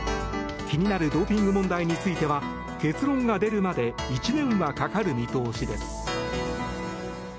気になるドーピング問題については結論が出るまで１年はかかる見通しです。